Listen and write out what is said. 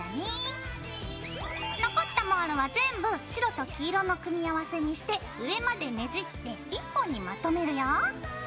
残ったモールは全部白と黄色の組み合わせにして上までねじって１本にまとめるよ。